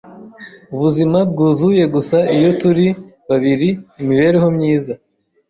Ubuzima bwuzuye gusa iyo turi babiri Imibereho myiza.